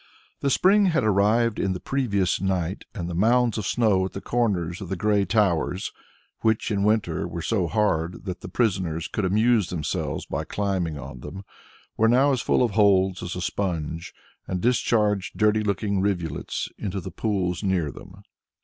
The spring had arrived in the previous night, and the mounds of snow at the corners of the grey towers, which in winter were so hard that the prisoners could amuse themselves by climbing on them, were now as full of holes as a sponge and discharged dirty looking rivulets into the pools near them.